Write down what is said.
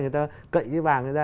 người ta cậy cái vàng ra